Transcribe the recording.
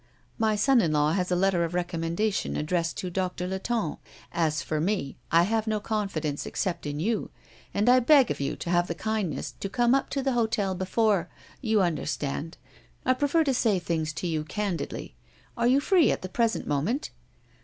"My son in law has a letter of recommendation addressed to Doctor Latonne. As for me, I have no confidence except in you, and I beg of you to have the kindness to come up to the hotel before you understand? I prefer to say things to you candidly. Are you free at the present moment?"